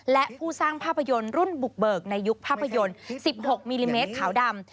และผู้สร้างภาพยนตร์รุ่นบุกเบิกในยุคภาพยนตร์๑๖มิลลิเมตรขาวดำ